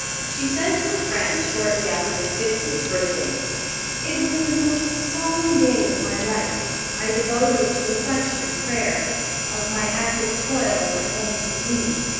She said to a friend shortly after this fiftieth birthday: "It was the most solemn day of my life. I devoted it to reflection and prayer. Of my active toils I then took leave.